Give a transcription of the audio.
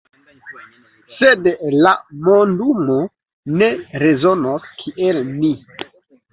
Sed la mondumo ne rezonos kiel ni.